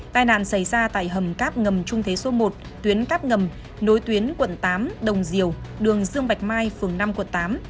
tai nạn xảy ra tại hầm cáp ngầm trung thế số một tuyến cắp ngầm nối tuyến quận tám đồng diều đường dương bạch mai phường năm quận tám